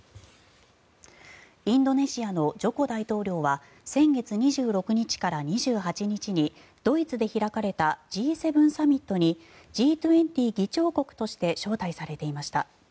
インドネシアのジョコ大統領は先月２６日から２８日にドイツで開かれたＧ７サミットにＧ２０議長国として招待されていました。